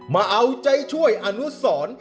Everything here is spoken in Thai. มาเอาใจช่วยอนุสร